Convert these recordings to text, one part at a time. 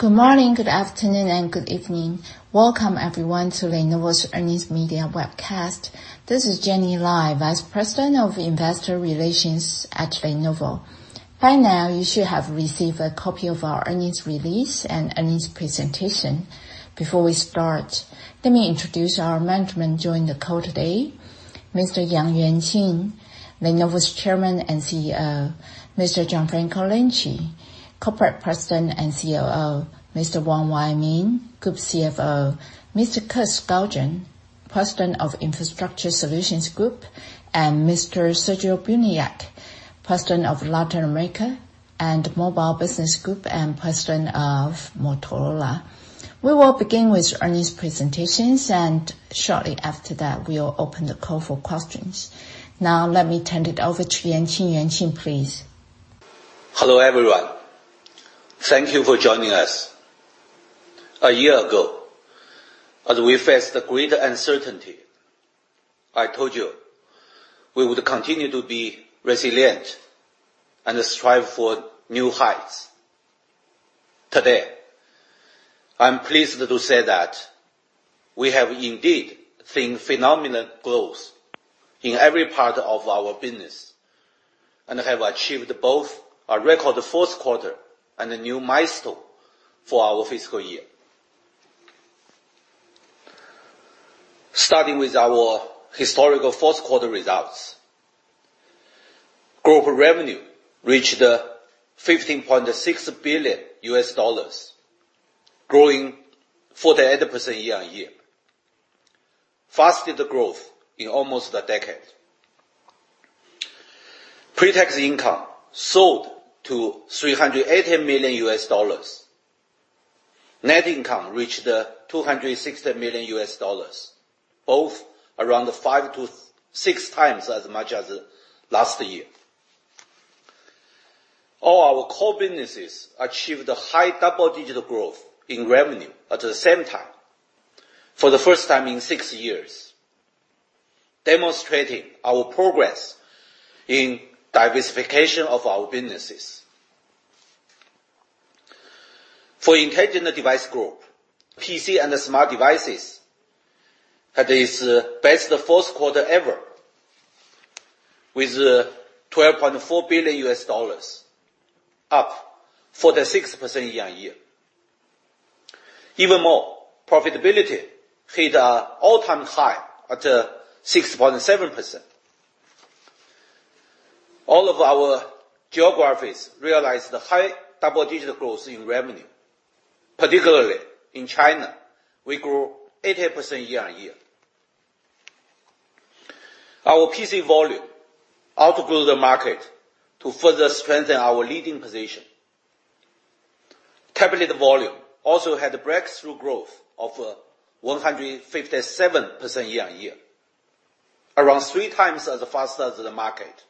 Good morning, good afternoon, and good evening. Welcome, everyone, to Lenovo's Earnings Media Webcast. This is Jenny Lai, Vice President of Investor Relations at Lenovo. By now, you should have received a copy of our earnings release and earnings presentation. Before we start, let me introduce our management joining the call today. Mr. Yuanqing Yang, Lenovo's Chairman and CEO; Mr. Gianfranco Lanci, Corporate President and COO; Mr. WaiMing Wong, Group CFO; Mr. Kirk Skaugen, President of Infrastructure Solutions Group; and Mr. Sergio Buniac, President of Latin America and Mobile Business Group, and President of Motorola. We will begin with earnings presentations, and shortly after that, we will open the call for questions. Now, let me turn it over to Yuanqing. Yuanqing, please. Hello, everyone. Thank you for joining us. A year ago, as we faced great uncertainty, I told you we would continue to be resilient and strive for new heights. Today, I'm pleased to say that we have indeed seen phenomenal growth in every part of our business and have achieved both a record Q4 and a new milestone for our fiscal year. Starting with our historical Q4 results. Global revenue reached $15.6 billion, growing 48% year-on-year, faster growth in almost a decade. Pre-tax income soared to $380 million. Net income reached $260 million, both around 5x to 6x as much as last year. All our core businesses achieved high double-digit growth in revenue at the same time for the first time in six years, demonstrating our progress in diversification of our businesses. For Intelligent Devices Group, PC and smart devices had its best Q4 ever with $12.4 billion, up 46% year-on-year. Even more, profitability hit an all-time high at 6.7%. All of our geographies realized high double-digit growth in revenue, particularly in China, we grew 18% year-on-year. Our PC volume outgrew the market to further strengthen our leading position. Tablet volume also had breakthrough growth of 157% year-on-year, around 3x as fast as the market.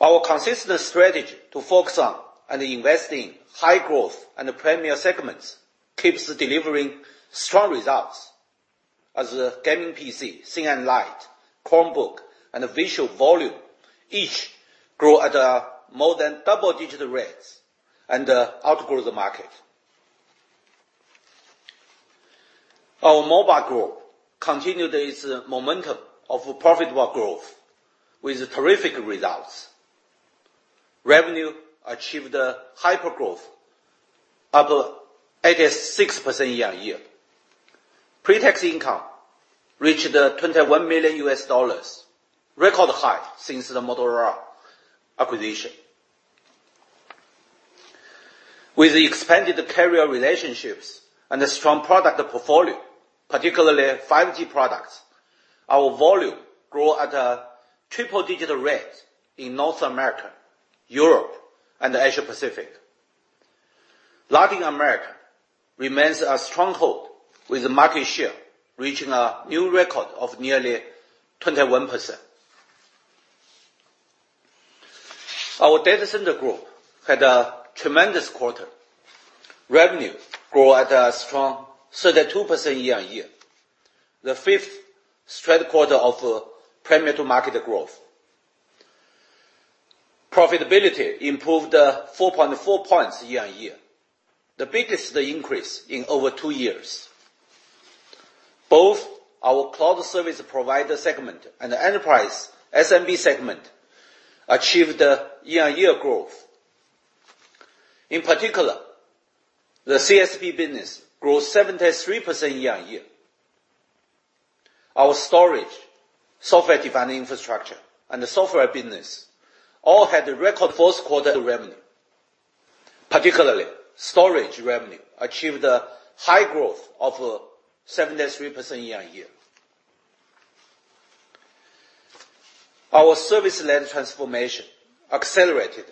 Our consistent strategy to focus on and invest in high growth and premier segments keeps delivering strong results as the Gaming PC, ThinkPad, Chromebook, and Visuals volume each grow at more than double-digit rates and outgrow the market. Our mobile growth continued its momentum of profitable growth with terrific results. Revenue achieved hypergrowth, up 86% year-on-year. Pre-tax income reached $21 million, record high since the Motorola acquisition. With expanded carrier relationships and a strong product portfolio, particularly 5G products, our volume grew at a triple-digit rate in North America, Europe, and Asia Pacific. Latin America remains a stronghold, with market share reaching a new record of nearly 21%. Our data center growth had a tremendous quarter. Revenue grew at a strong 32% year-on-year, the fifth straight quarter of premier market growth. Profitability improved 4.4 points year-on-year, the biggest increase in over two years. Both our cloud service provider segment and the ESMB segment achieved year-on-year growth. In particular, the CSP business grew 73% year-on-year. Our storage, software-defined infrastructure, and software business all had record Q4 revenue. Particularly, storage revenue achieved high growth of 73% year-on-year. Our service-led transformation accelerated,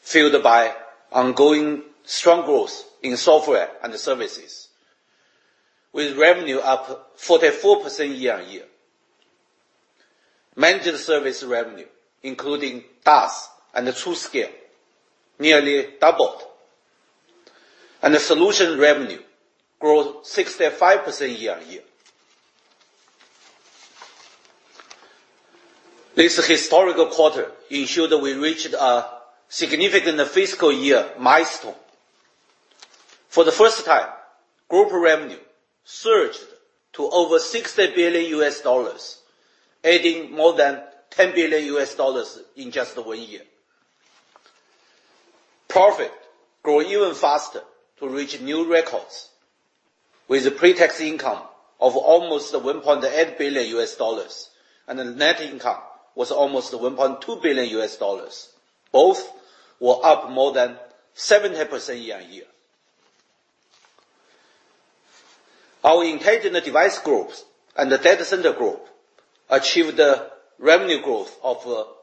fueled by ongoing strong growth in software and services, with revenue up 44% year-on-year. Managed service revenue, including DaaS and TruScale, nearly doubled, and solution revenue grew 65% year-on-year. This historical quarter ensured that we reached a significant fiscal year milestone. For the first time, group revenue surged to over $60 billion, adding more than $10 billion in just one year. Profit grew even faster to reach new records, with a pre-tax income of almost $1.8 billion and a net income was almost $1.2 billion. Both were up more than 70% year-on-year. Our Intelligent Devices Group and the Data Center Group achieved revenue growth of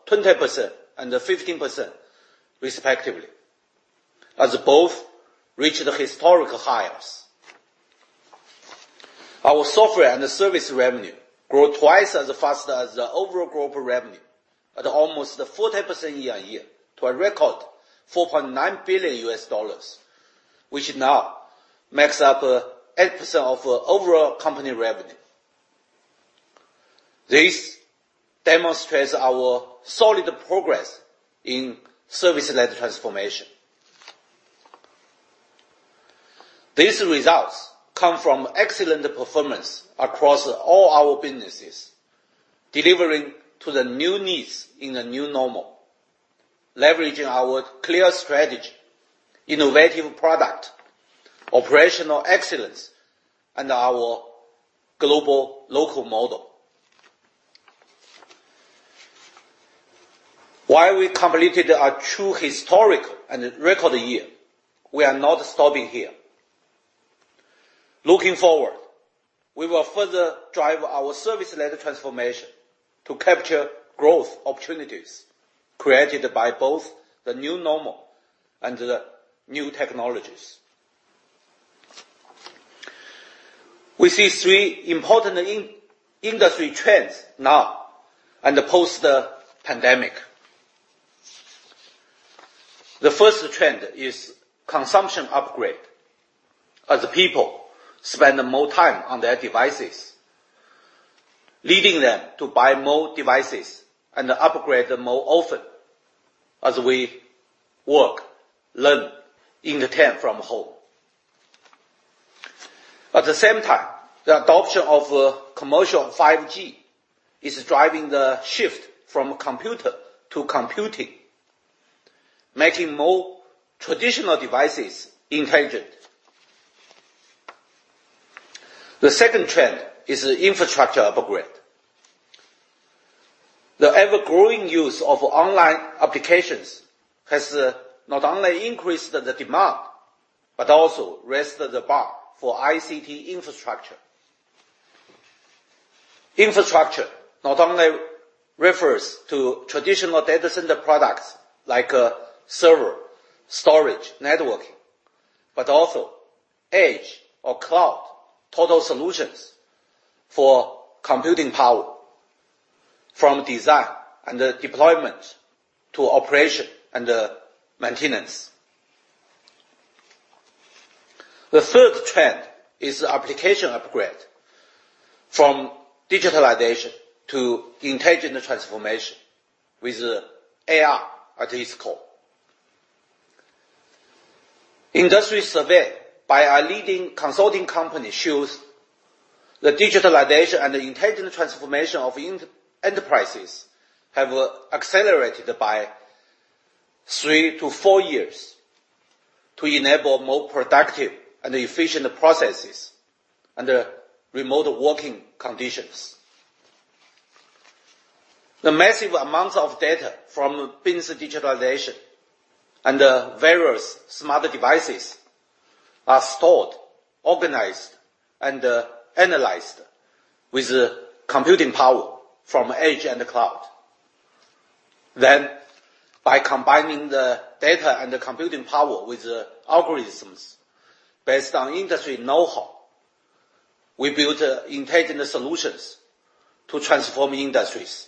20% and 15% respectively, as both reached historical highs. Our software and service revenue grew twice as fast as the overall global revenue at almost 40% year-on-year to a record $4.9 billion, which now makes up 8% of overall company revenue. This demonstrates our solid progress in service-led transformation. These results come from excellent performance across all our businesses, delivering to the new needs in the new normal, leveraging our clear strategy, innovative product, operational excellence, and our global local model. While we completed a true historic and record year, we are not stopping here. Looking forward, we will further drive our service-led transformation to capture growth opportunities created by both the new normal and the new technologies. We see three important industry trends now and post-pandemic. The first trend is consumption upgrade as people spend more time on their devices, leading them to buy more devices and upgrade them more often as we work, learn, entertain from home. At the same time, the adoption of commercial 5G is driving the shift from computer to computing, making more traditional devices intelligent. The second trend is infrastructure upgrade. The ever-growing use of online applications has not only increased the demand but also raised the bar for ICT infrastructure. Infrastructure not only refers to traditional data center products like server, storage, networking, but also edge or cloud total solutions for computing power from design and deployment to operation and maintenance. The third trend is application upgrade from digitalization to intelligent transformation with AI at its core. Industry survey by a leading consulting company shows that digitalization and intelligent transformation of enterprises have accelerated by three to four years to enable more productive and efficient processes under remote working conditions. The massive amount of data from business digitalization and various smart devices are stored, organized, and analyzed with computing power from edge and the cloud. By combining the data and the computing power with algorithms based on industry know-how, we build intelligent solutions to transform industries.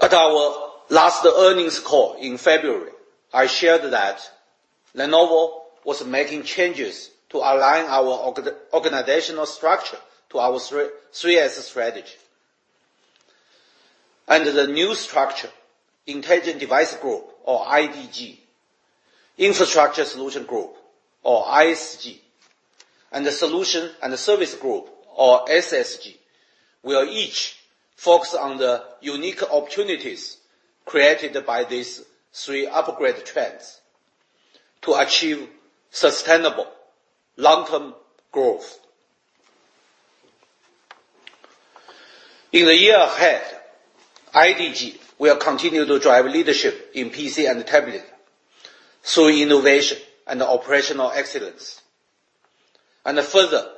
At our last earnings call in February, I shared that Lenovo was making changes to align our organizational structure to our 3S strategy. Under the new structure, Intelligent Devices Group or IDG, Infrastructure Solutions Group or ISG, and the Solutions and Services Group or SSG will each focus on the unique opportunities created by these three upgrade trends to achieve sustainable long-term growth. In the year ahead, IDG will continue to drive leadership in PC and tablet through innovation and operational excellence and further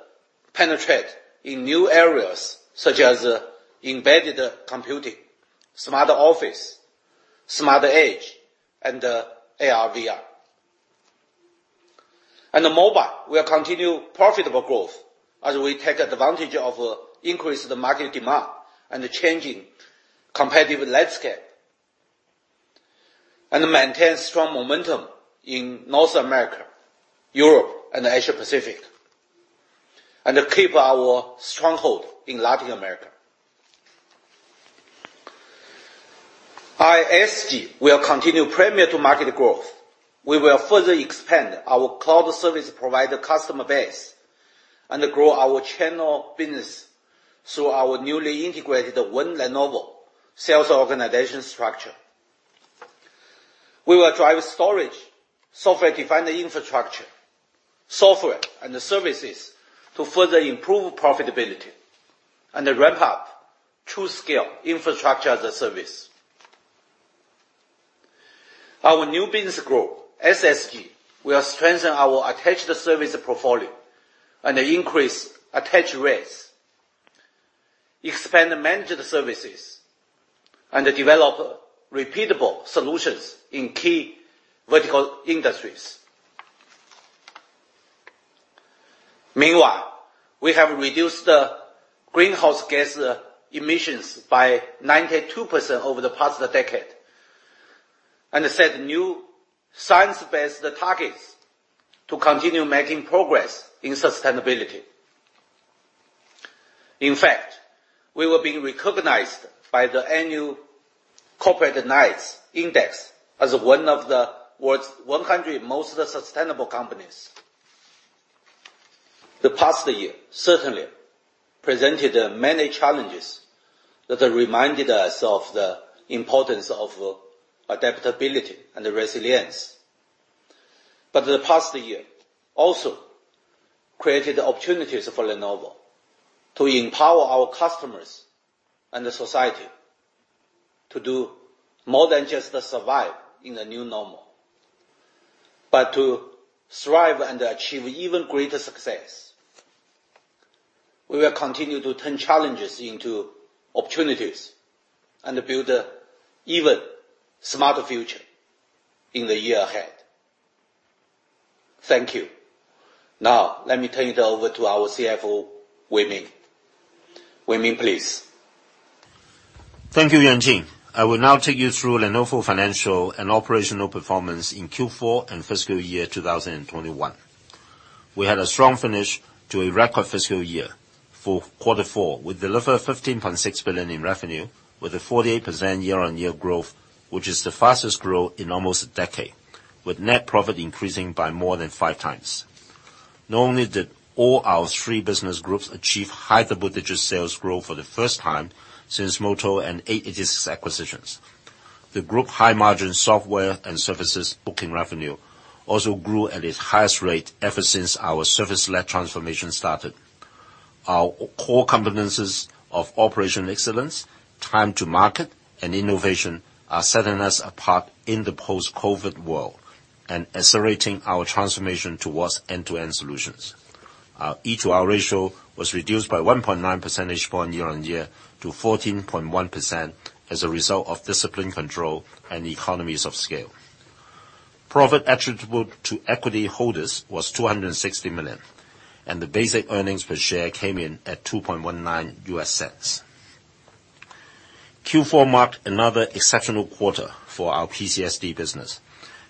penetrate in new areas such as embedded computing, smart office, smart edge, and AR/VR. Mobile will continue profitable growth as we take advantage of increased market demand and the changing competitive landscape and maintain strong momentum in North America, Europe, and Asia Pacific, and keep our stronghold in Latin America. ISG will continue premium to market growth. We will further expand our cloud service provider customer base and grow our channel business through our newly integrated One Lenovo sales organization structure. We will drive storage, software-defined infrastructure, software and services to further improve profitability and ramp up TruScale Infrastructure as-a-Service. Our new business group, SSG, will strengthen our attached service portfolio and increase attach rates, expand managed services, and develop repeatable solutions in key vertical industries. Meanwhile, we have reduced the greenhouse gas emissions by 92% over the past decade and set new science-based targets to continue making progress in sustainability. In fact, we will be recognized by the annual Corporate Knights Index as one of the world's 100 most sustainable companies. The past year certainly presented many challenges that reminded us of the importance of adaptability and resilience. The past year also created opportunities for Lenovo to empower our customers and society to do more than just survive in a new normal, but to thrive and achieve even greater success. We will continue to turn challenges into opportunities and build an even smarter future in the year ahead. Thank you. Now, let me turn it over to our CFO, WaiMing. WaiMing, please. Thank you, Yuanqing. I will now take you through Lenovo financial and operational performance in Q4 and fiscal year 2021. We had a strong finish to a record fiscal year. For Q4, we delivered $15.6 billion in revenue with a 48% year-on-year growth, which is the fastest growth in almost a decade, with net profit increasing by more than 5x. Not only did all our three business groups achieve high double-digit sales growth for the first time since Moto and x86 acquisitions, the group high-margin software and services booking revenue also grew at its highest rate ever since our service-led transformation started. Our core competencies of operational excellence, time to market, and innovation are setting us apart in the post-COVID world and accelerating our transformation towards end-to-end solutions. Our E/R ratio was reduced by 1.9 percentage points year-on-year to 14.1% as a result of disciplined control and economies of scale. Profit attributable to equity holders was $260 million. The basic earnings per share came in at $0.0219. Q4 marked another exceptional quarter for our PCSD business,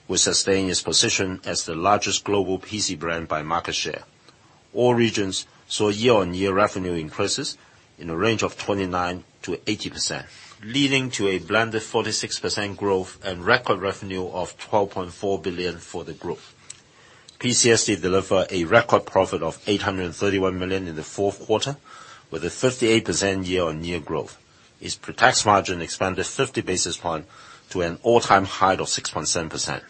which sustained its position as the largest global PC brand by market share. All regions saw year-on-year revenue increases in a range of 29%-80%, leading to a blended 46% growth and record revenue of $12.4 billion for the group. PCSD delivered a record profit of $831 million in the Q4 with a 58% year-on-year growth. Its pre-tax margin expanded 50 basis points to an all-time high of 6.7%.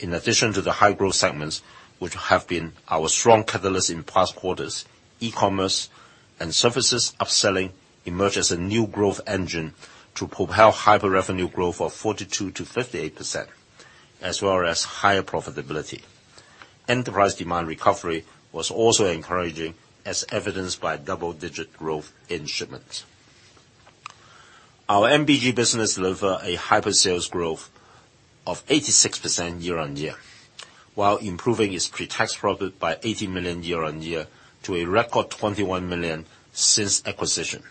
In addition to the high-growth segments, which have been our strong catalyst in past quarters, e-commerce and services upselling emerged as a new growth engine to propel hyper revenue growth of 42%-58%, as well as higher profitability. Enterprise demand recovery was also encouraging, as evidenced by double-digit growth in shipments. Our MBG business delivered a hyper sales growth of 86% year-on-year, while improving its pre-tax profit by $80 million year-on-year to a record $21 million since acquisition.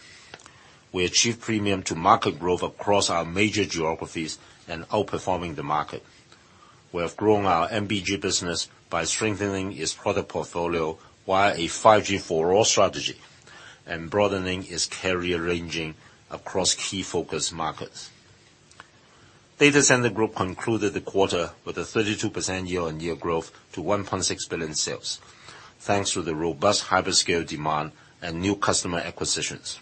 We achieved premium to market growth across our major geographies and outperforming the market. We have grown our MBG business by strengthening its product portfolio via a 5G for all strategy and broadening its carrier ranging across key focus markets. Data Center Group concluded the quarter with a 32% year-on-year growth to $1.6 billion in sales, thanks to the robust hyperscale demand and new customer acquisitions.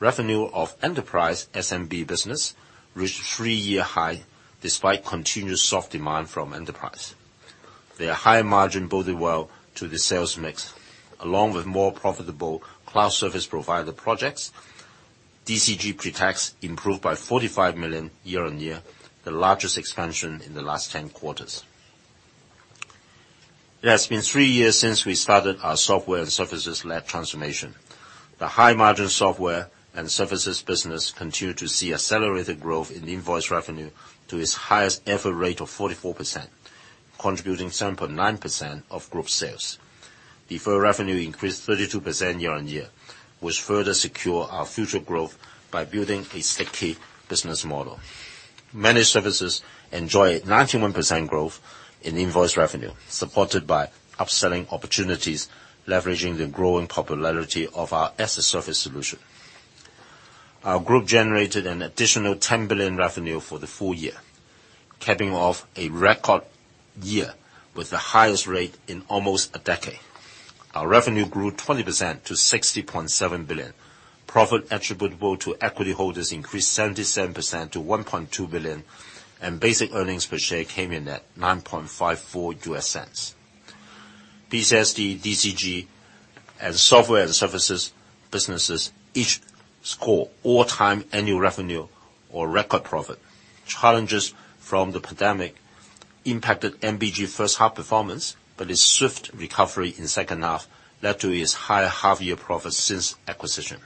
Revenue of enterprise SMB business reached a three-year high despite continuous soft demand from enterprise. Their high margin boded well to the sales mix, along with more profitable cloud service provider projects. DCG pre-tax improved by $45 million year-on-year, the largest expansion in the last 10 quarters. It has been three years since we started our software and services-led transformation. The high-margin software and services business continued to see accelerated growth in invoice revenue to its highest ever rate of 44%, contributing 7.9% of group sales. Deferred revenue increased 32% year-on-year, which further secure our future growth by building a sticky business model. Managed services enjoy 91% growth in invoice revenue, supported by upselling opportunities leveraging the growing popularity of our as-a-Service solution. Our group generated an additional $10 billion revenue for the full year, capping off a record year with the highest rate in almost a decade. Our revenue grew 20% to $60.7 billion. Profit attributable to equity holders increased 77% to $1.2 billion, and basic earnings per share came in at $0.0954. PCSD, DCG, and Software and Services businesses each score all-time annual revenue or record profit. Challenges from the pandemic impacted MBG first half performance, but a swift recovery in second half led to its highest half-year profit since acquisition.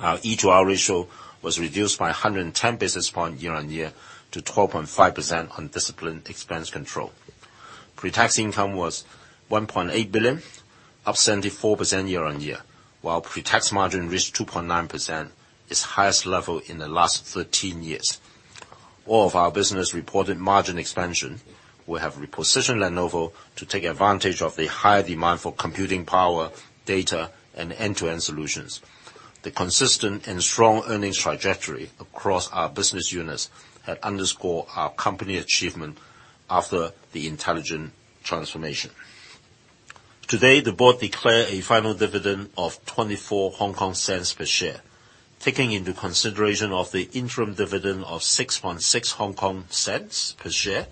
Our E/R ratio was reduced by 110 basis points year-on-year to 12.5% on disciplined expense control. Pre-tax income was $1.8 billion, up 74% year-on-year, while pre-tax margin reached 2.9%, its highest level in the last 13 years. All of our business reported margin expansion. We have repositioned Lenovo to take advantage of the high demand for computing power, data, and end-to-end solutions. The consistent and strong earnings trajectory across our business units have underscored our company achievement after the intelligent transformation. Today, the board declared a final dividend of 0.24 per share. Taking into consideration of the interim dividend of 0.066 per share,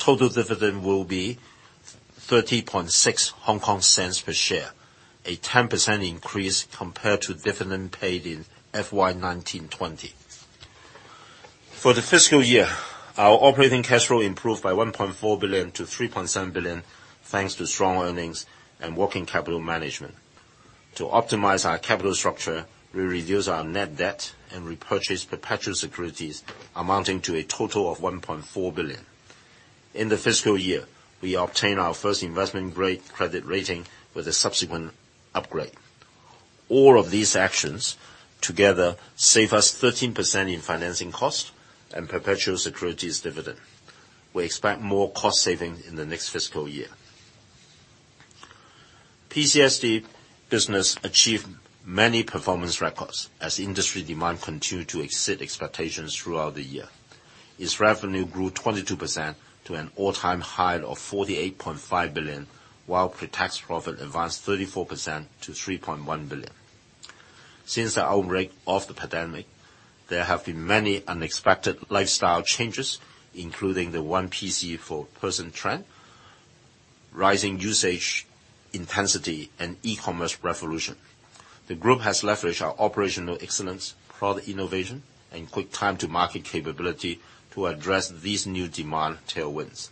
total dividend will be 0.306 per share, a 10% increase compared to dividend paid in FY 2019/2020. For the fiscal year, our operating cash flow improved by $1.4 billion to $3.7 billion, thanks to strong earnings and working capital management. To optimize our capital structure, we reduced our net debt and repurchased perpetual securities amounting to a total of $1.4 billion. In the fiscal year, we obtained our first investment-grade credit rating with a subsequent upgrade. All of these actions together save us 13% in financing cost and perpetual securities dividend. We expect more cost saving in the next fiscal year. PCSD business achieved many performance records as industry demand continued to exceed expectations throughout the year. Its revenue grew 22% to an all-time high of $48.5 billion, while pre-tax profit advanced 34% to $3.1 billion. Since the outbreak of the pandemic, there have been many unexpected lifestyle changes, including the one PC for person trend, rising usage intensity, and e-commerce revolution. The group has leveraged our operational excellence, product innovation, and quick time to market capability to address these new demand tailwinds.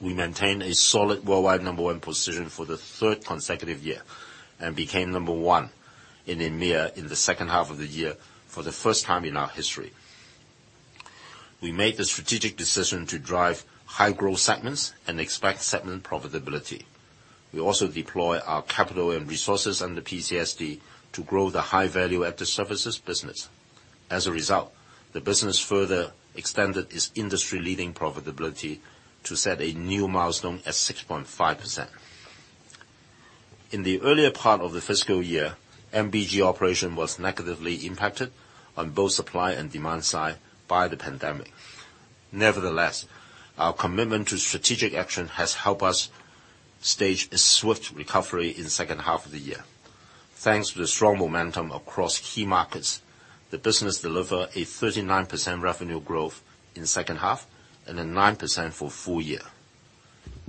We maintained a solid worldwide number one position for the third consecutive year and became number 1 in EMEA in the second half of the year for the first time in our history. We made the strategic decision to drive high-growth segments and expect segment profitability. We also deploy our capital and resources under PCSD to grow the high-value added services business. As a result, the business further extended its industry-leading profitability to set a new milestone at 6.5%. In the earlier part of the fiscal year, MBG operation was negatively impacted on both supply and demand side by the pandemic. Nevertheless, our commitment to strategic action has helped us stage a swift recovery in second half of the year. Thanks to the strong momentum across key markets, the business delivered a 39% revenue growth in second half and a 9% for full year.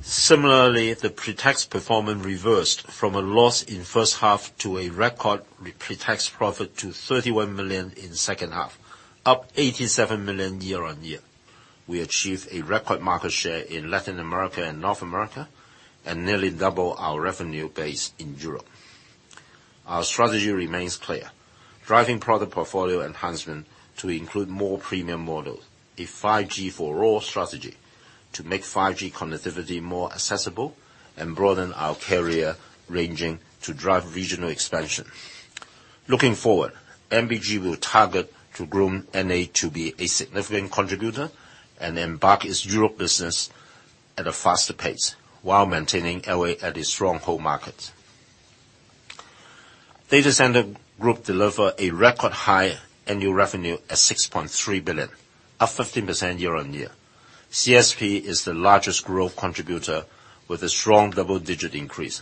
Similarly, the pre-tax performance reversed from a loss in first half to a record pre-tax profit to $31 million in second half, up $87 million year-on-year. We achieved a record market share in Latin America and North America and nearly double our revenue base in Europe. Our strategy remains clear: driving product portfolio enhancement to include more premium models, a 5G for all strategy to make 5G connectivity more accessible, and broaden our carrier ranging to drive regional expansion. Looking forward, MBG will target to groom NA to be a significant contributor and embark its Europe business at a faster pace while maintaining Asia at its strong home market. Data Center Group deliver a record high annual revenue at $6.3 billion, up 15% year-on-year. CSP is the largest growth contributor with a strong double-digit increase.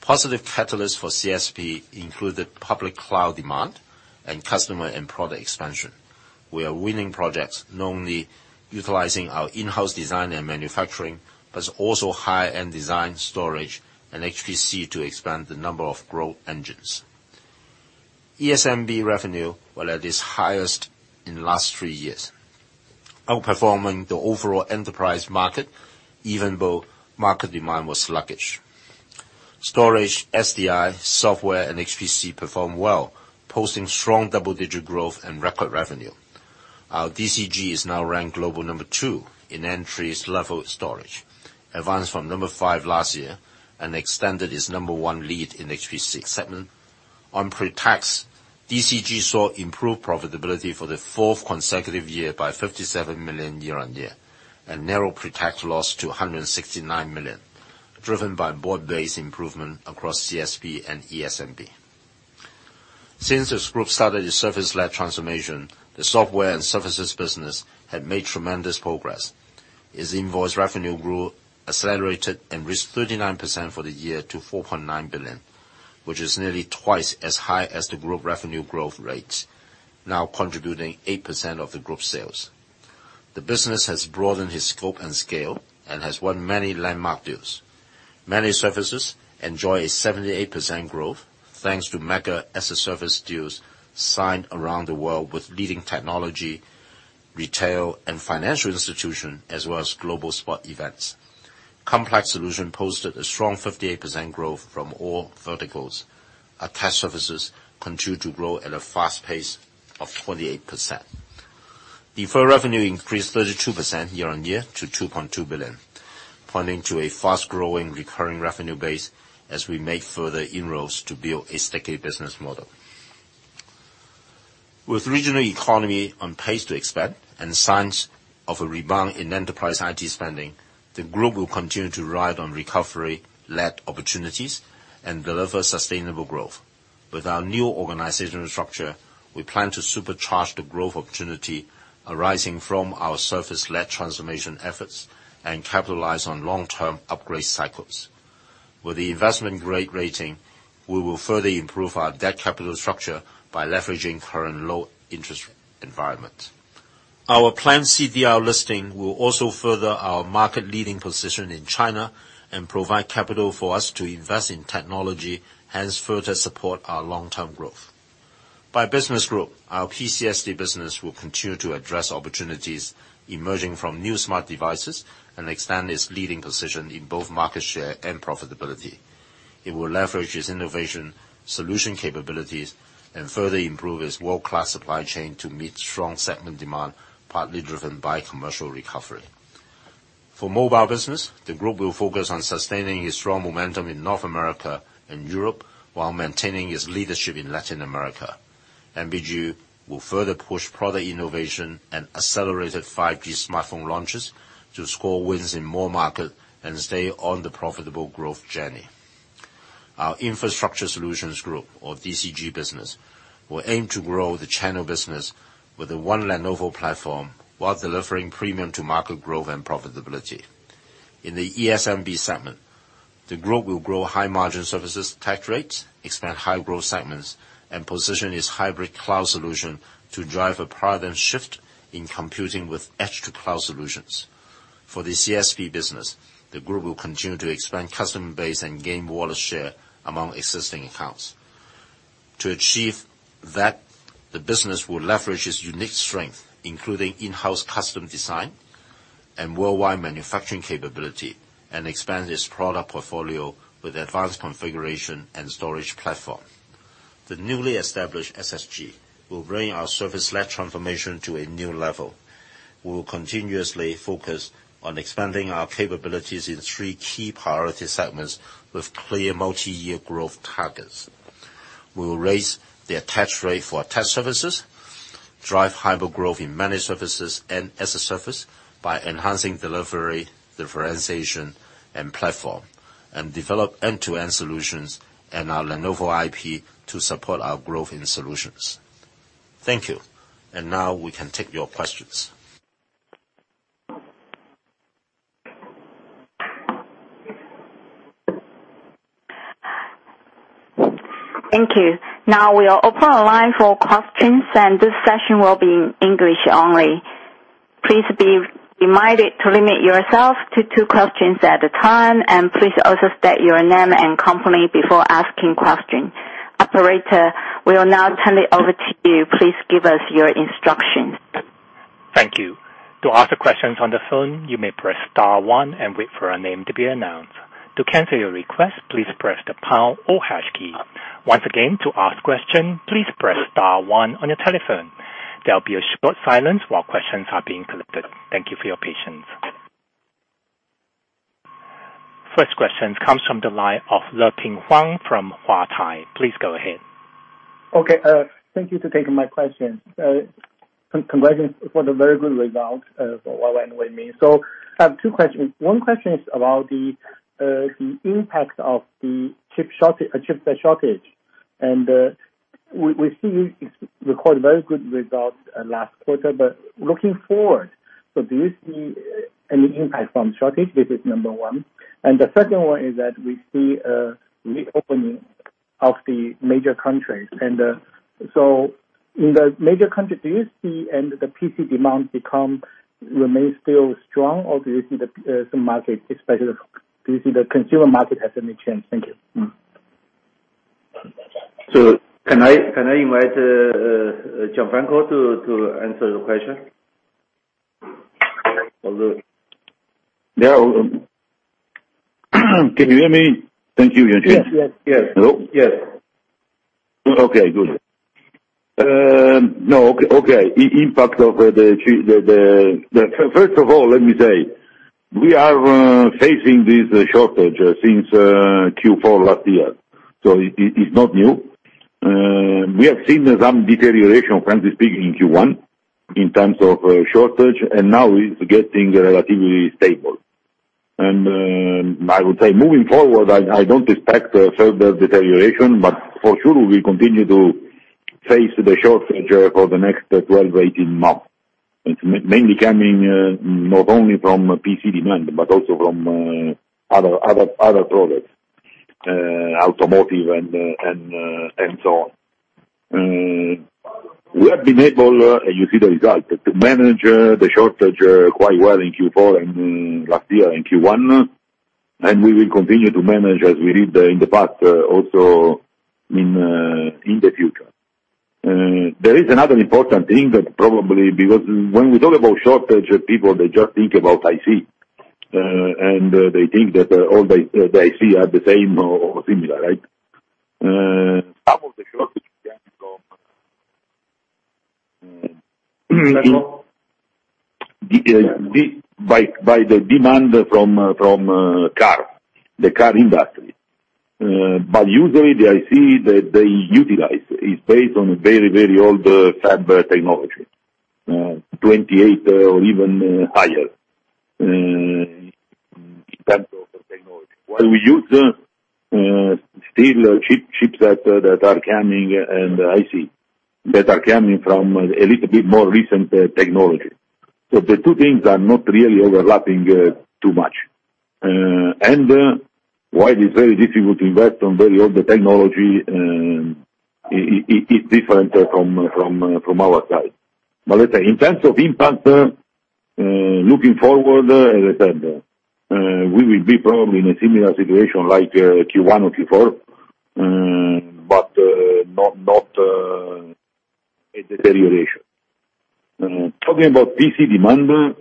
Positive catalyst for CSP included public cloud demand and customer and product expansion. We are winning projects not only utilizing our in-house design and manufacturing, but also high-end design storage and HPC to expand the number of growth engines. ESMB revenue were at its highest in last three years, outperforming the overall enterprise market, even though market demand was sluggish. Storage, SDI, software, and HPC performed well, posting strong double-digit growth and record revenue. Our DCG is now ranked global number 2 in entry-level storage, advanced from number 5 last year, and extended its number 1 lead in HPC segment. On pre-tax, DCG saw improved profitability for the fourth consecutive year by $57 million year-on-year, and narrow pre-tax loss to $169 million, driven by broad-based improvement across CSP and ESMB. Since this group started a service-led transformation, the software and services business had made tremendous progress. Its invoice revenue grew, accelerated, and reached 39% for the year to $4.9 billion, which is nearly twice as high as the group revenue growth rates, now contributing 8% of the group sales. The business has broadened its scope and scale and has won many landmark deals. Managed services enjoy a 78% growth, thanks to mega as-a-Service deals signed around the world with leading technology, retail, and financial institution, as well as global sports events. Complex solution posted a strong 58% growth from all verticals. Our tech services continue to grow at a fast pace of 28%. The software revenue increased 32% year-on-year to $2.2 billion, pointing to a fast-growing recurring revenue base as we make further inroads to build a sticky business model. With regional economy on pace to expand and signs of a rebound in enterprise IT spending, the group will continue to ride on recovery-led opportunities and deliver sustainable growth. With our new organizational structure, we plan to supercharge the growth opportunity arising from our service-led transformation efforts and capitalize on long-term upgrade cycles. With the investment-grade rating, we will further improve our debt capital structure by leveraging current low-interest environment. Our planned CDR listing will also further our market-leading position in China and provide capital for us to invest in technology, hence further support our long-term growth. By business group, our PCSD business will continue to address opportunities emerging from new smart devices and expand its leading position in both market share and profitability. It will leverage its innovation solution capabilities and further improve its world-class supply chain to meet strong segment demand, partly driven by commercial recovery. For mobile business, the group will focus on sustaining its strong momentum in North America and Europe while maintaining its leadership in Latin America. MBG will further push product innovation and accelerated 5G smartphone launches to score wins in more market and stay on the profitable growth journey. Our Infrastructure Solutions Group, or DCG business, will aim to grow the channel business with the One Lenovo platform while delivering premium to market growth and profitability. In the ESMB segment, the group will grow high-margin services attach rates, expand high-growth segments, and position its hybrid cloud solution to drive a paradigm shift in computing with edge-to-cloud solutions. For the CSP business, the group will continue to expand customer base and gain wallet share among existing accounts. To achieve that, the business will leverage its unique strength, including in-house custom design and worldwide manufacturing capability, and expand its product portfolio with advanced configuration and storage platform. The newly established SSG will bring our service-led transformation to a new level. We will continuously focus on expanding our capabilities in three key priority segments with clear multi-year growth targets. We will raise the attach rate for attached services, drive hyper growth in many services and as-a-service by enhancing delivery, differentiation, and platform, and develop end-to-end solutions and our Lenovo IP to support our growth in solutions. Thank you. Now we can take your questions. Thank you. Now we are open the line for questions. This session will be in English only. Please be reminded to limit yourself to two questions at a time. Please also state your name and company before asking questions. Operator, we will now turn it over to you. Please give us your instructions. Thank you. To ask questions on the phone, you may press *1 and wait for your name to be announced. To cancel your request, please press the #key. Once again, to ask question, please press *1 on your telephone. There will be a short silence while questions are being collected. Thank you for your patience. First question comes from the line of Leping Huang from Huatai Securities. Please go ahead. Okay. Thank you for taking my question. Congratulations for the very good results for Lenovo. I have two questions. One question is about the impact of the chip shortage. We see you record very good results last quarter. Looking forward, will there be any impact from shortage? This is number 1. The second one is that we see a reopening of the major countries. In the major countries, do you see any of the PC demands remain still strong, or do you see the market, especially do you see the consumer market has any change? Thank you. Can I invite Gianfranco to answer your question? Can you hear me? Thank you, Yuanqing. Yes. Hello? Yes. First of all, let me say, we are facing this shortage since Q4 last year, so it's not new. We have seen some deterioration, frankly speaking, in Q1 in terms of shortage, and now it's getting relatively stable. I would say moving forward, I don't expect a further deterioration, but for sure, we continue to face the shortage for the next 12-18 months. It's mainly coming not only from PC demand but also from other products, automotive and so on. We have been able, and you see the result, to manage the shortage quite well in Q4 and last year in Q1. We will continue to manage as we did in the past also in the future. There is another important thing that probably because when we talk about shortages, people they just think about IC, and they think that all the IC are the same or similar, right? Some of the shortages came from by the demand from car, the car industry. Usually, the IC that they utilize is based on very, very old fab technology, 28 or even higher, depends on the technology. While we use still chipsets that are coming, and IC, that are coming from a little bit more recent technology. The two things are not really overlapping too much. While it's very difficult to invest on very old technology, it's different from our side. In terms of impact, looking forward, we will be probably in a similar situation like Q1 or Q4, but not a deterioration. Talking about PC demand,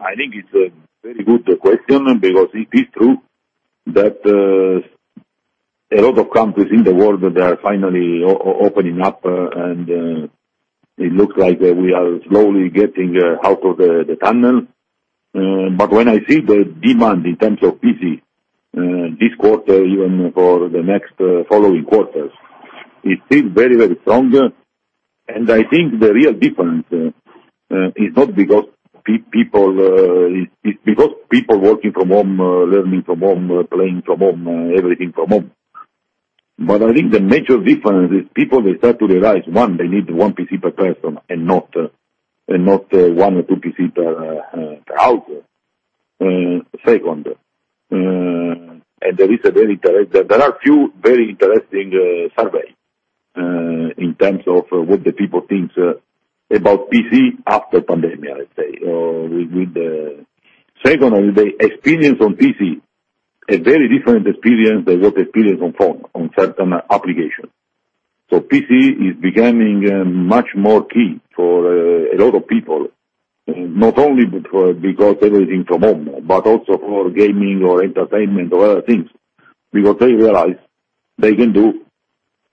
I think it's a very good question because it is true that a lot of countries in the world are finally opening up, and it looks like we are slowly getting out of the tunnel. When I see the demand in terms of PC this quarter, even for the next following quarters, it's still very, very strong. I think the real difference, it's because people working from home, learning from home, playing from home, everything from home. I think the major difference is people, they start to realize, one, they need one PC per person and not one or two PC per house. Second, there are a few very interesting surveys in terms of what the people think about PC after pandemic, I say. Secondly, the experience on PC, a very different experience than what they experience on phone on certain applications. PC is becoming much more key for a lot of people, not only because everything from home, but also for gaming or entertainment or other things, because they realize they can do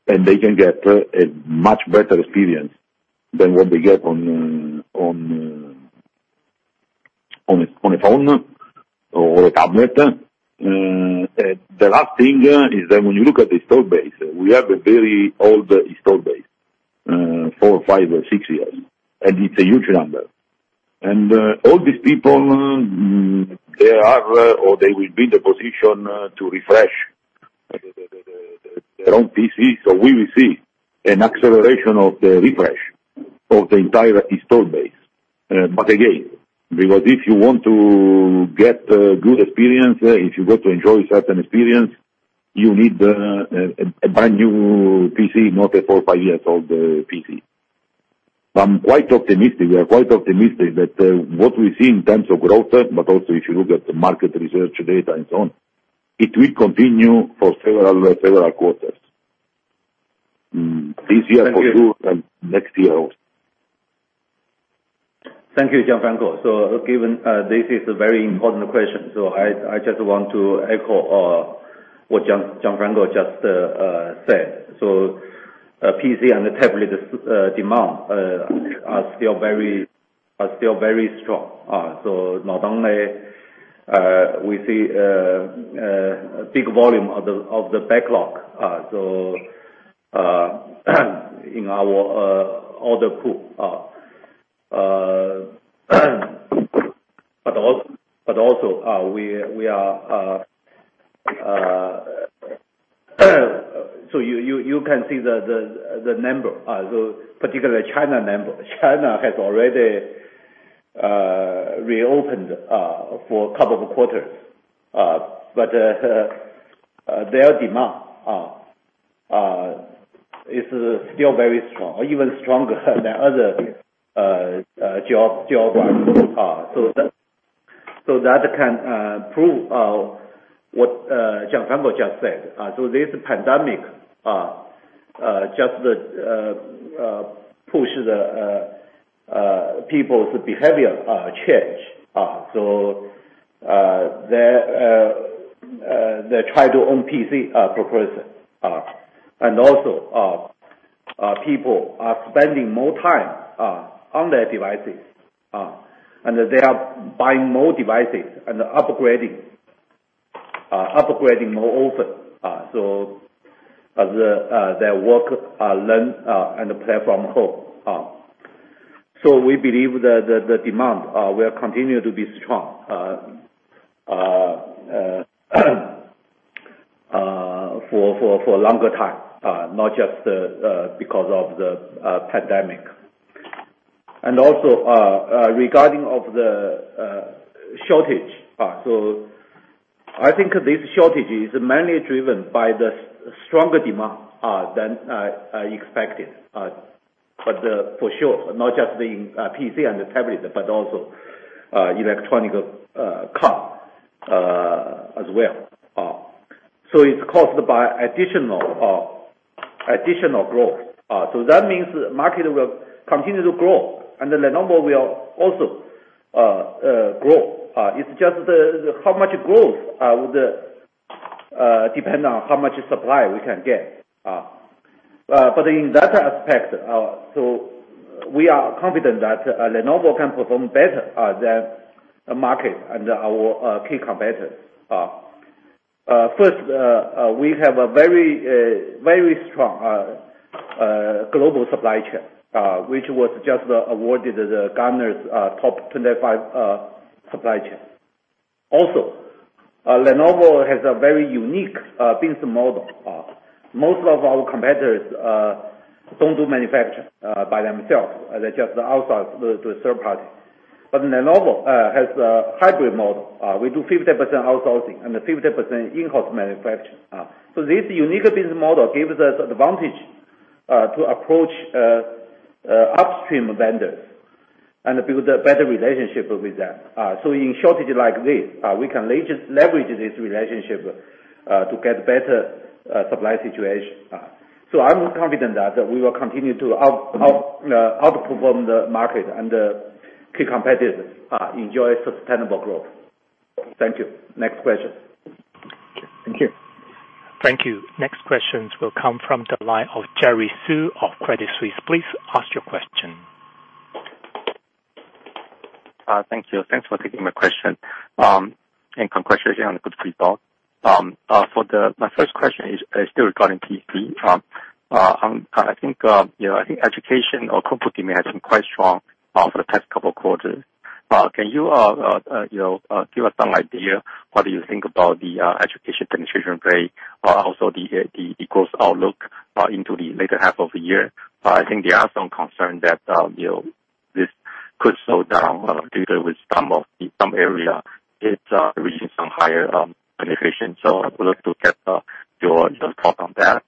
and they can get a much better experience than what they get on a phone or a tablet. The last thing is that when you look at installed base, we have a very old installed base, four, five, or six years, and it's a huge number. All these people, they are or they will be in the position to refresh their own PC. We will see an acceleration of the refresh of the entire installed base. Again, because if you want to get a good experience, if you want to enjoy a certain experience, you need to buy a new PC, not a four or five-year-old PC. I'm quite optimistic. We are quite optimistic that what we see in terms of growth, but also if you look at the market research data and so on, it will continue for several quarters. This year for sure, and next year also. Thank you, Gianfranco. Given this is a very important question, I just want to echo what Gianfranco just said. PC and the tablet demand are still very strong. Not only we see a big volume of the backlog in our order pool, you can see the number, particularly China number. China has already reopened for a couple of quarters, but their demand is still very strong, even stronger than other geography. That can prove what Gianfranco just said. This pandemic just pushed the people's behavior change. They try to own PC per person. Also, people are spending more time on their devices, and they are buying more devices and upgrading more often. Their work, learn, and play from home. We believe that the demand will continue to be strong for longer time, not just because of the pandemic. Also regarding of the shortage. I think this shortage is mainly driven by the stronger demand than expected for sure, not just in PC and the tablet, but also electronic car as well. It's caused by additional growth. That means the market will continue to grow, and Lenovo will also grow. It's just how much growth would depend on how much supply we can get. In that aspect, we are confident that Lenovo can perform better than the market and our key competitors. First, we have a very strong global supply chain, which was just awarded the Gartner's Top 25 Supply Chain. Lenovo has a very unique business model. Most of our competitors don't do manufacture by themselves. They just outsource to third party. Lenovo has a hybrid model. We do 50% outsourcing and 50% in-house manufacture. This unique business model gives us advantage to approach upstream vendors and build a better relationship with them. In shortage like this, we can leverage this relationship to get better supply situation. I'm confident that we will continue to outperform the market and the key competitors enjoy sustainable growth. Thank you. Next question. Next questions will come from the line of Jerry Su of Credit Suisse. Please ask your question. Thank you. Thanks for taking my question, and congratulations on the good result. My first question is still regarding PC. I think education or corporate demand has been quite strong for the past couple of quarters. Can you give us some idea what do you think about the education penetration rate, also the growth outlook into the later half of the year? I think there are some concerns that this could slow down due to some area reaching some higher penetration. I would love to get your thoughts on that.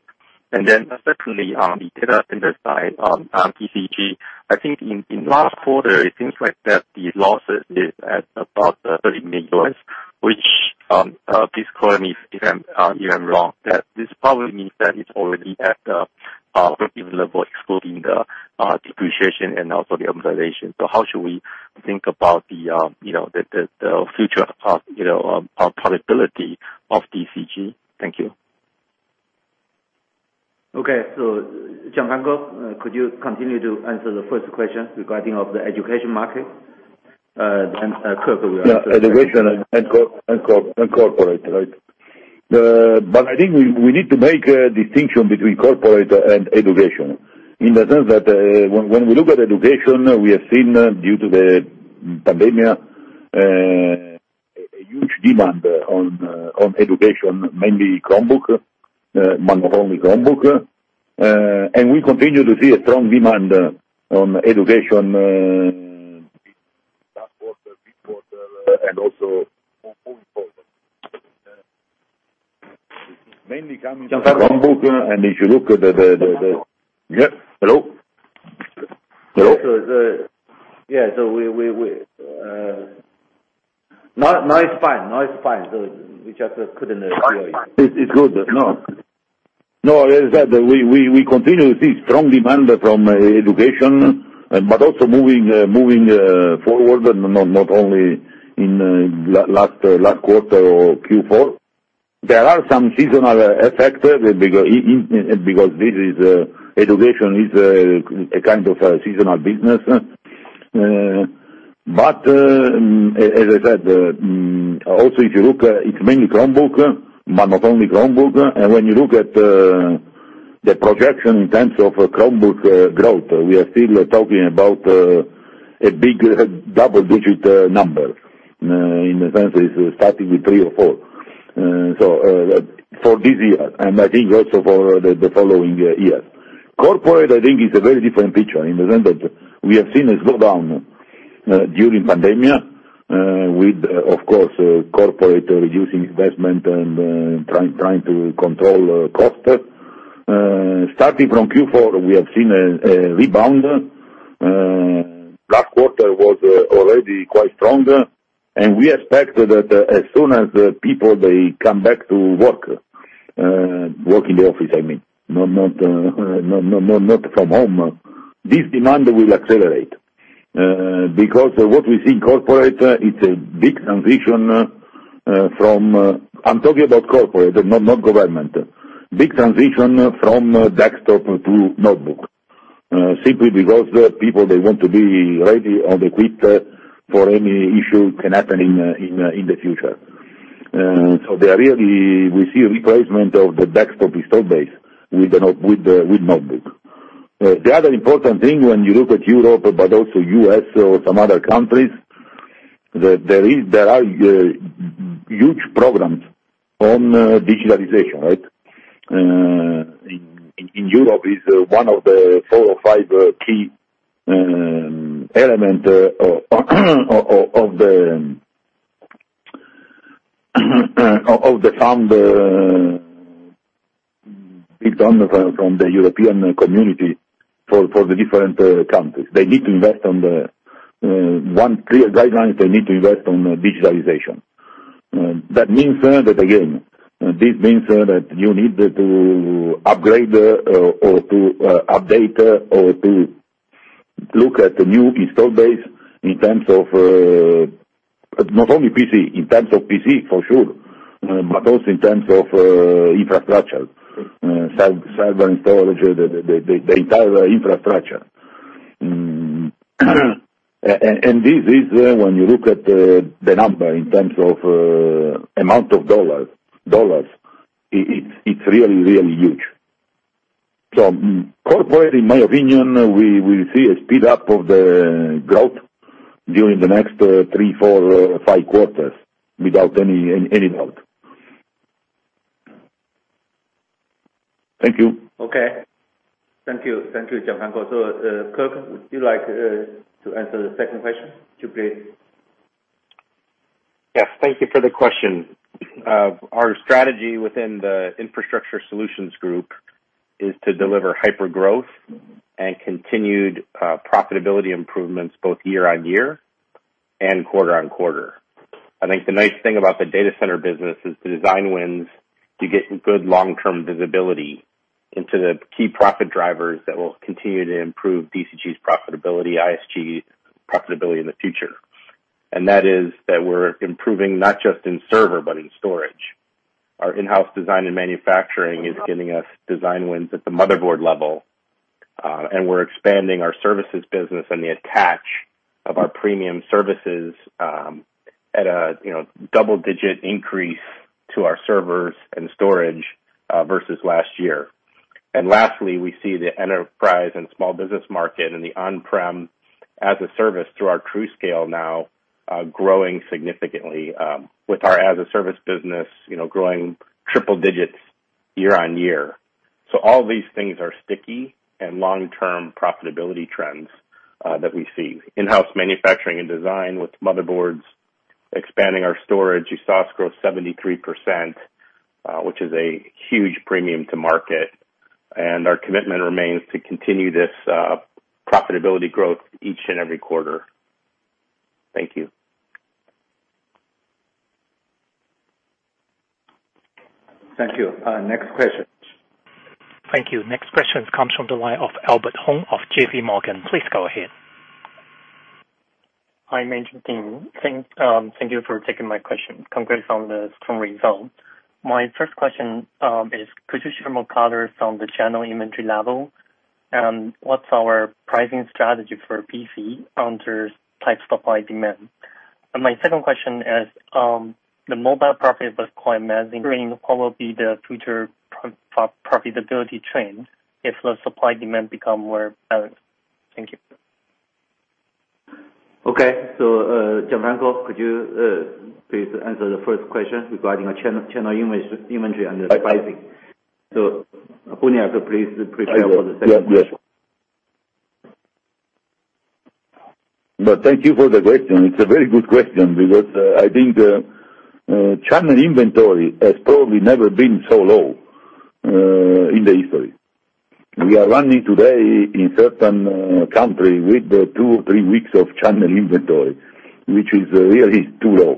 Secondly, the data in the slide on DCG, I think in last quarter, it seems like that the losses is at about $30 million, which please correct me if I'm wrong, that this probably means that it's already at the break-even level excluding the depreciation and also the amortization. How should we think about the future profitability of DCG? Thank you. Okay. Gianfranco, could you continue to answer the first question regarding of the education market and corporate? Education and corporate, right? I think we need to make a distinction between corporate and education. In the sense that when we look at education, we are seeing due to the pandemic, a huge demand on education, mainly Chromebook, not only Chromebook. We continue to see a strong demand on education. Last quarter, this quarter, and also going forward. Mainly coming from Chromebook, and if you look at the. Hello? Hello? Yeah. Now it's fine. We just put in this way. It's good. As I said, we continue to see strong demand from education, but also moving forward, not only in last quarter or Q4. There are some seasonal effects because education is a kind of a seasonal business. As I said, also if you look, it's mainly Chromebook, but not only Chromebook. When you look at the projection in terms of Chromebook growth, we are still talking about a big double-digit number. In the sense it's starting with three or four. For this year, and I think also for the following year. Corporate, I think, is a very different picture. In the sense that we have seen a slowdown during pandemic with, of course, corporate reducing investment and trying to control cost. Starting from Q4, we have seen a rebound. Last quarter was already quite strong. We expect that as soon as people come back to work in the office, not from home, this demand will accelerate. What we see in corporate, it's a big transition. I'm talking about corporate, not government. Big transition from desktop to notebook, simply because people want to be ready or equipped for any issue that can happen in the future. We see a replacement of the desktop install base with notebook. The other important thing when you look at Europe, but also U.S. or some other countries, that there are huge programs on digitalization. In Europe, it's one of the four or five key elements of the fund from the European community for the different countries. They need to invest. One clear guideline is they need to invest on digitalization. That means that, again, you need to upgrade, or to update, or to look at the new install base in terms of not only PC, in terms of PC for sure, but also in terms of infrastructure, server, storage, the entire infrastructure. This, when you look at the number in terms of amount of dollars, it's really huge. Corporate, in my opinion, we will see a speed up of the growth during the next three, four, five quarters without any doubt. Thank you. Okay. Thank you. Thank you, Gianfranco. Kirk, would you like to answer the second question, please? Yes, thank you for the question. Our strategy within the Infrastructure Solutions Group is to deliver hyper-growth and continued profitability improvements both year-on-year and quarter-on-quarter. I think the nice thing about the data center business is the design wins to get good long-term visibility into the key profit drivers that will continue to improve DCG's profitability, ISG's profitability in the future. That is that we're improving not just in server, but in storage. Our in-house design and manufacturing is getting us design wins at the motherboard level, and we're expanding our services business and the attach of our premium services at a double-digit increase to our servers and storage versus last year. Lastly, we see the enterprise and small business market and the on-prem as a service to our TruScale now growing significantly with our as a service business growing triple digits year-on-year. All these things are sticky and long-term profitability trends that we see. In-house manufacturing and design with motherboards, expanding our storage, ESMB growth 73%, which is a huge premium to market, and our commitment remains to continue this profitability growth each and every quarter. Thank you. Thank you. Next question. Thank you. Next question comes from the line of Albert Hung of JPMorgan. Please go ahead. Hi, Yuanqing. Thank you for taking my question. Congrats on the strong result. My first question is could you share more color on the channel inventory level, and what's our pricing strategy for PC under tight supply demand? My second question is, the mobile profit was quite amazing. What will be the future profitability trend if the supply demand become more balanced? Thank you. Okay. Gianfranco, could you please answer the first question regarding the channel inventory and the pricing? Sergio Buniac, could please answer the second question. Thank you for the question. It's a very good question because I think the channel inventory has probably never been so low in the history. We are running today in certain countries with two or three weeks of channel inventory, which is really too low.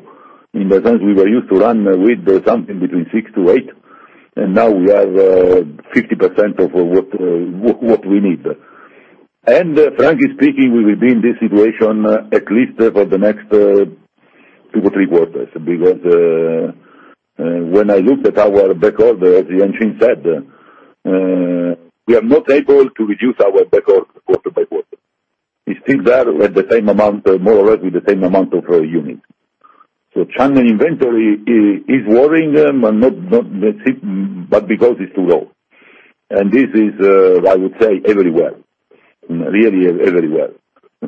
In the past, we were used to run with something between six to eight. Now we have 50% of what we need. Frankly speaking, we will be in this situation at least for the next two or three quarters. Because when I look at our backorder, as Yuanqing said, we are not able to reduce our backorder quarter-by-quarter. It's still there with the same amount, more or less with the same amount of unit. Channel inventory is worrying, but because it's too low. This is, I would say, everywhere, really everywhere,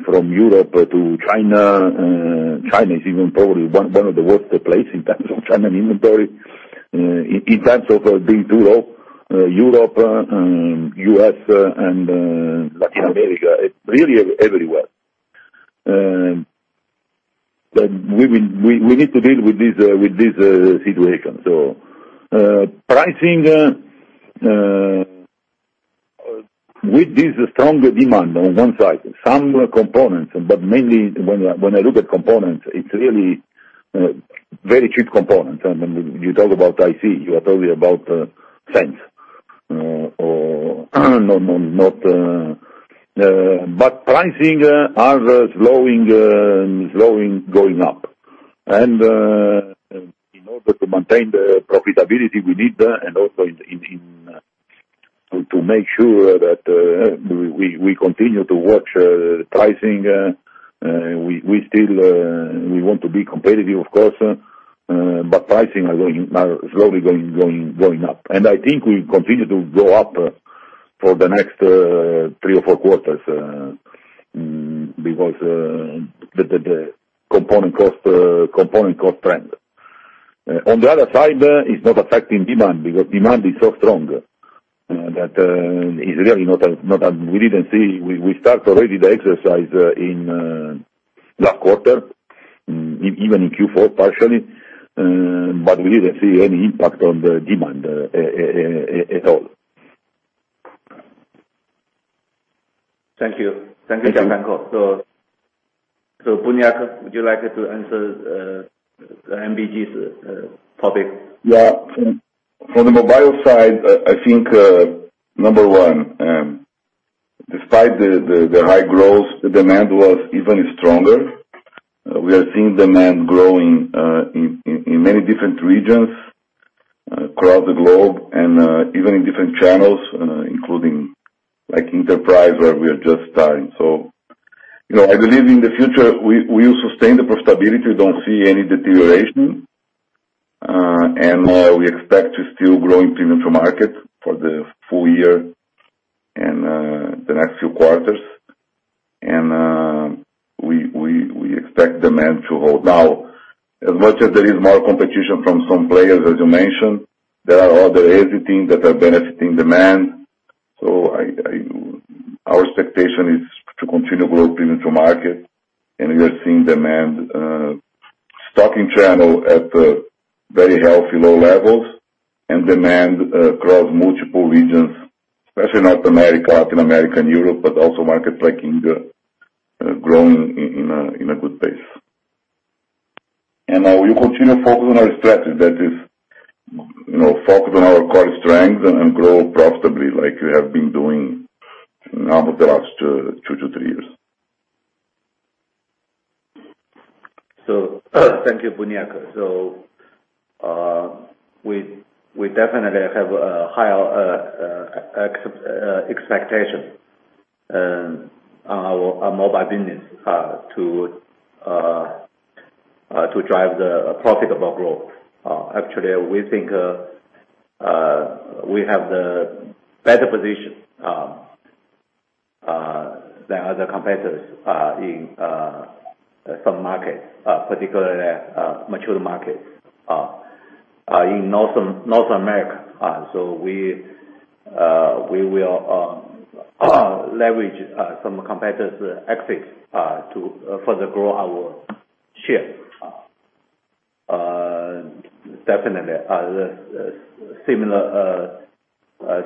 from Europe to China. China is even probably one of the worst places in terms of channel inventory, in terms of this build-up. Europe, U.S., and Latin America, it's really everywhere. We need to deal with this situation. Pricing with this strong demand on one side, some components, but mainly when I look at components, it's really very cheap components. When you talk about IC, you are talking about cents. Pricing are going up. In order to maintain the profitability we need that, and also to make sure that we continue to watch pricing. We want to be competitive, of course, but pricing are slowly going up. I think we continue to go up for the next three or four quarters because the component cost trend. On the other side, it's not affecting demand because demand is so strong. We start already the exercise in last quarter, even in Q4 partially, but we didn't see any impact on the demand at all. Thank you, Gianfranco. Sergio, would you like to answer MBG's topic? From the mobile side, I think number 1, despite the high growth, the demand was even stronger. We are seeing demand grow in many different regions across the globe and even in different channels, including enterprise, where we are just starting. I believe in the future we will sustain the profitability, don't see any deterioration. We expect to still grow premium to market for the full year and the next few quarters. We expect demand to hold. Now, as much as there is more competition from some players, as you mentioned, there are other things that are benefiting demand. Our expectation is to continue to grow premium to market, and we are seeing demand stocking channel at very healthy low levels and demand across multiple regions, especially North America, Latin America, and Europe, but also markets like India growing in a good pace. We continue to focus on our strategies. That is, focus on our core strength and grow profitably like we have been doing now for the last two to three years. Thank you, Sergio. We definitely have a higher expectation in our mobile business to drive the profitable growth. Actually, we think we have the better position than other competitors in some markets, particularly mature markets in North America. We will leverage some competitors' exits to further grow our share. Definitely a similar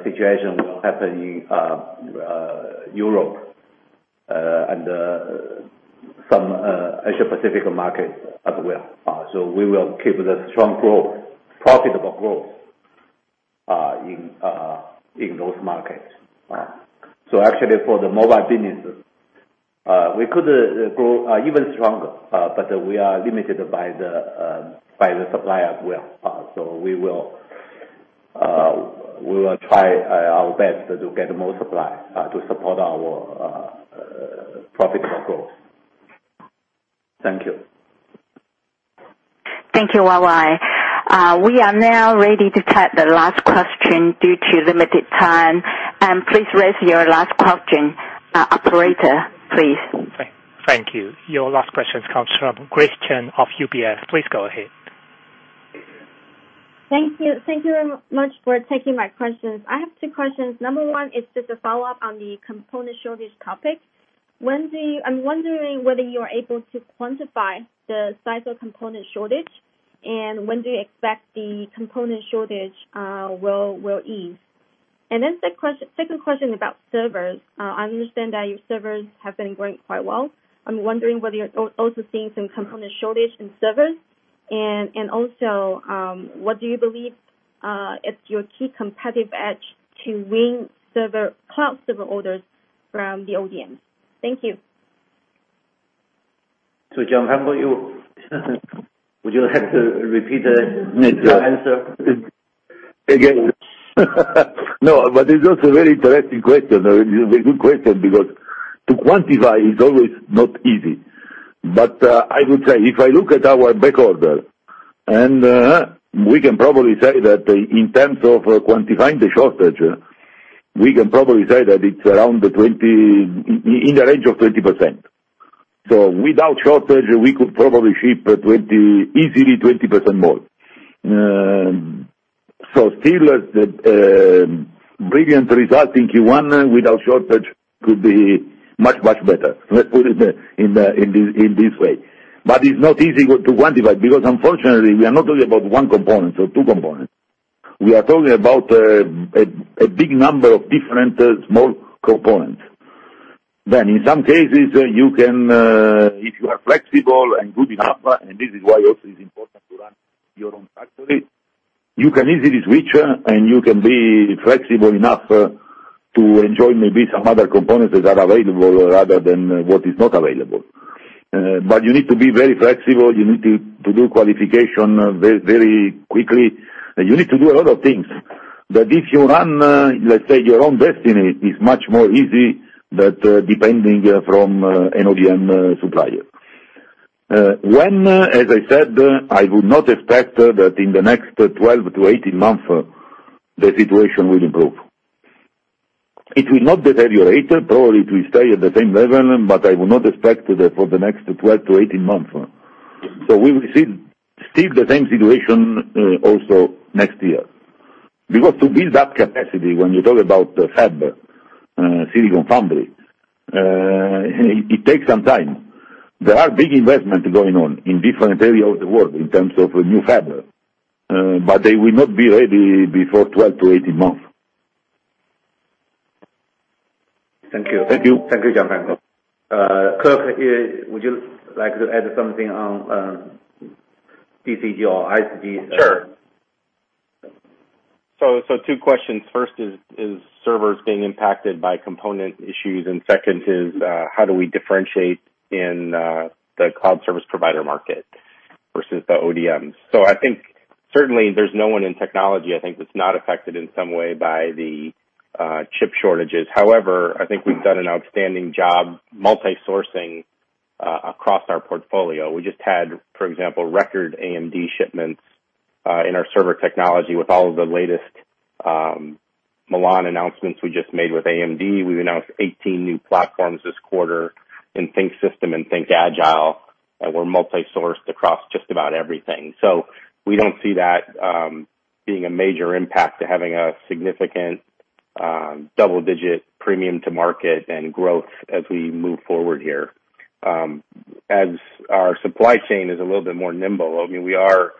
situation will happen in Europe and some Asia Pacific markets as well. We will keep the strong growth, profitable growth in those markets. Actually for the mobile business we could grow even stronger, but we are limited by the supply as well. We will try our best to get more supply to support our profitable growth. Thank you. Thank you, Yuanqing. We are now ready to take the last question due to limited time. Please raise your last question. Operator, please. Thank you. Your last question comes from Christian of UBS. Please go ahead. Thank you. Thank you very much for taking my questions. I have two questions. Number 1 is just a follow-up on the component shortage topic. I'm wondering whether you are able to quantify the size of component shortage, and when do you expect the component shortage will ease? Second question about servers. I understand that your servers have been growing quite well. I'm wondering whether you're also seeing some component shortage in servers, and also what do you believe is your key competitive edge to win cloud server orders from the OEMs? Thank you. Gianfranco, would you have to repeat your answer again? It's also a very interesting question. A very good question because to quantify is always not easy. I would say if I look at our back orders, and we can probably say that in terms of quantifying the shortage, we can probably say that it's in the range of 20%. Without shortage, we could probably ship easily 20% more. Still, brilliant result in Q1 without shortage could be much better. Let's put it in this way. It's not easy to quantify because unfortunately, we are not talking about one component or two components. We are talking about a big number of different small components. In some cases, if you are flexible and good enough, and this is why also it's important to run your own factory, you can easily switch and you can be flexible enough to enjoy maybe some other components that are available rather than what is not available. You need to be very flexible. You need to do qualification very quickly, and you need to do a lot of things. If you run, let's say, your own destiny, it's much more easy than depending from an ODM supplier. As I said, I would not expect that in the next 12 to 18 months, the situation will improve. It will not deteriorate. Probably it will stay at the same level, but I would not expect that for the next 12 to 18 months. We will see the same situation also next year. To build that capacity, when you talk about fab, silicon foundry, it takes some time. There are big investments going on in different areas of the world in terms of new fab, but they will not be ready before 12 to 18 months. Thank you. Thank you, Gianfranco. Kirk, would you like to add something on PC or IDG? Sure. Two questions. First is servers being impacted by component issues? Second is, how do we differentiate in the cloud service provider market versus the ODMs? I think certainly there's no one in technology that's not affected in some way by the chip shortages. However, I think we've done an outstanding job multi-sourcing across our portfolio. We just had, for example, record AMD shipments in our server technology with all of the latest Milan announcements we just made with AMD. We announced 18 new platforms this quarter in ThinkSystem and ThinkAgile, and we're multi-sourced across just about everything. We don't see that being a major impact to having a significant double-digit premium to market and growth as we move forward here. As our supply chain is a little bit more nimble, we are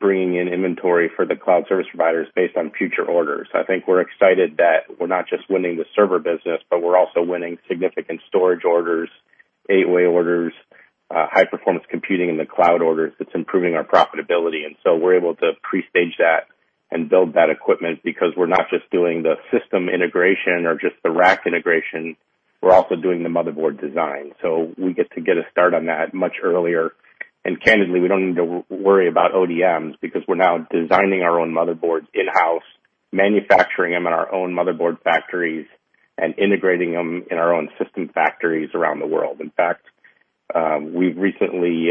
bringing in inventory for the cloud service providers based on future orders. I think we're excited that we're not just winning the server business, but we're also winning significant storage orders, eight-way orders, high-performance computing in the cloud orders. It's improving our profitability. We're able to pre-stage that and build that equipment because we're not just doing the system integration or just the rack integration, we're also doing the motherboard design. We get to get a start on that much earlier. Candidly, we don't need to worry about ODMs because we're now designing our own motherboards in-house, manufacturing them in our own motherboard factories, and integrating them in our own system factories around the world. In fact, we've recently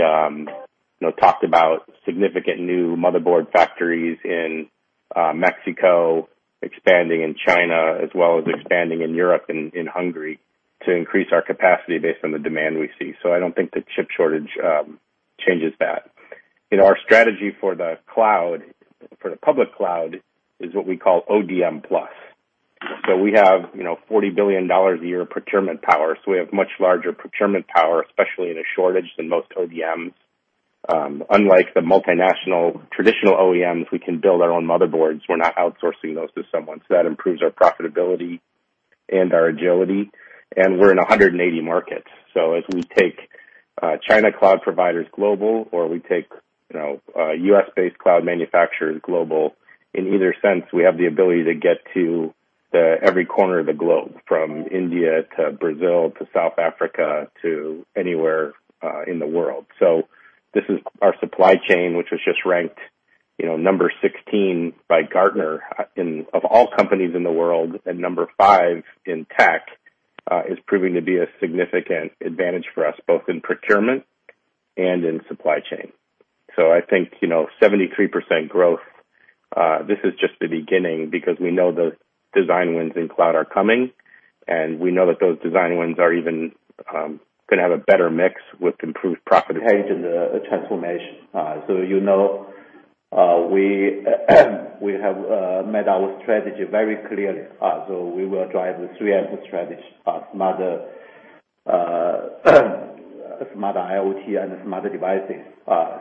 talked about significant new motherboard factories in Mexico, expanding in China, as well as expanding in Europe and in Hungary to increase our capacity based on the demand we see. I don't think the chip shortage changes that. Our strategy for the public cloud is what we call ODM Plus. We have $40 billion a year procurement power. We have much larger procurement power, especially in a shortage than most ODMs. Unlike the multinational traditional OEMs, we can build our own motherboards. We're not outsourcing those to someone. That improves our profitability and our agility, and we're in 180 markets. If we take China cloud providers global, or we take U.S.-based cloud manufacturers global, in either sense, we have the ability to get to every corner of the globe, from India to Brazil to South Africa to anywhere in the world. This is our supply chain, which was just ranked 16 by Gartner of all companies in the world, and number 5 in tech, is proving to be a significant advantage for us, both in procurement and in supply chain. I think 73% growth, this is just the beginning because we know the design wins in cloud are coming, and we know that those design wins are going to have a better mix with improved profitability. Intelligent transformation. You know we have made our strategy very clear. We will drive the three strategies: Smart Verticals, Smart IoT, and smart devices,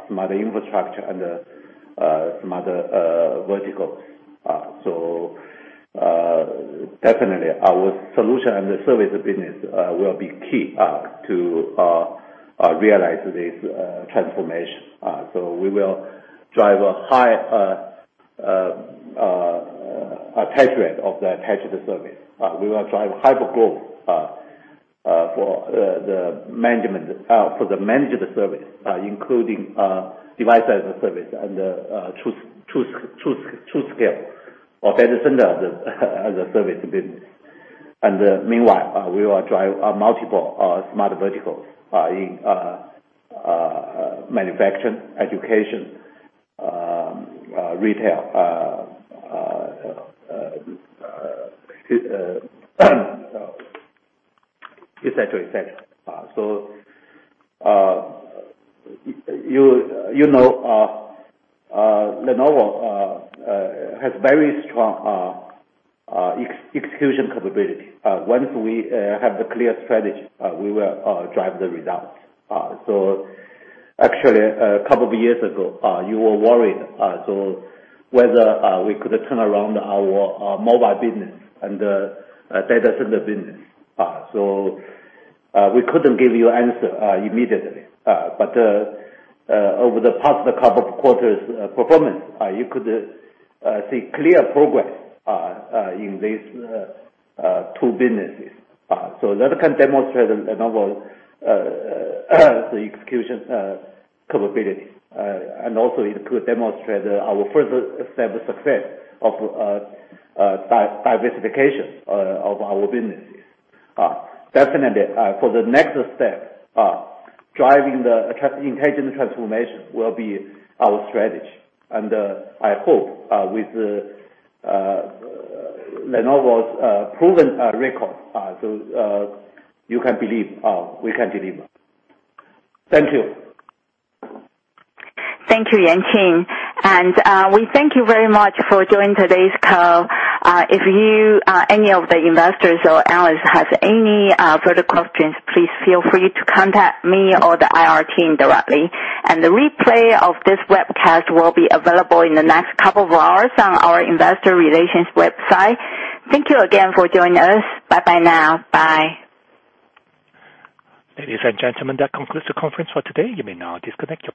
Smart Infrastructure, and Smart Verticals. Definitely our solution and the service business will be key to realize this transformation. We will drive a high attach rate of the attach service. We will drive hyper growth for the managed service, including Device as a Service and TruScale for data center as a service business. Meanwhile, we will drive multiple Smart Verticals in manufacturing, education, retail, et cetera. Lenovo has very strong execution capability. Once we have the clear strategy, we will drive the results. Actually, a couple of years ago, you were worried whether we could turn around our mobile business and data center business. We couldn't give you an answer immediately. Over the past couple of quarters' performance, you could see clear progress in these two businesses. That can demonstrate Lenovo's execution capability, and also it could demonstrate our further established success of diversification of our businesses. For the next step, driving the intelligent transformation will be our strategy. I hope with Lenovo's proven record, you can believe we can deliver. Thank you. Thank you, Yuanqing. We thank you very much for joining today's call. If any of the investors or analysts has any further questions, please feel free to contact me or the IR team directly. The replay of this webcast will be available in the next couple of hours on our investor relations website. Thank you again for joining us. Bye bye now. Bye. Ladies and gentlemen, that concludes the conference for today. You may now disconnect.